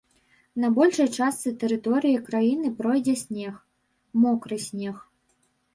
На большай частцы тэрыторыі краіны пройдзе снег, мокры снег.